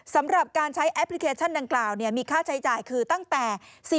สำหรับการใช้แอปพลิเคชันดังกล่าวมีค่าใช้จ่ายคือตั้งแต่